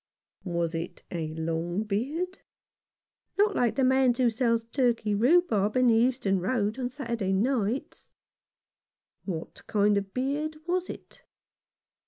" Was it a long beard ?"" Not long like the man's who sells turkey rhubarb in the Euston Road on Saturday nights." " What kind of a beard was it